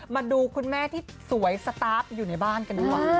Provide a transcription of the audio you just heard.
มาดูคุณแม่ที่สวยสตาร์ฟอยู่ในบ้านกันดีกว่า